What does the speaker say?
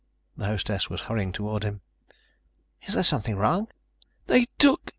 The hostess was hurrying toward him. "Is there something wrong?" "They took ..."